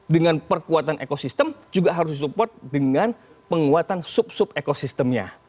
dengan perkuatan ekosistem juga harus disupport dengan penguatan sub sub ekosistemnya